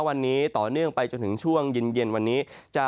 วันนี้ต่อเนื่องไปจนถึงช่วงเย็นวันนี้